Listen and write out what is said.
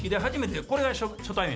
これが初対面。